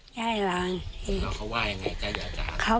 แล้วเขาว่ายังไงใจหย่อจาก